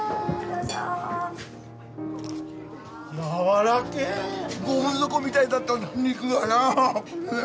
どうぞやわらけえゴム底みたいだった肉がな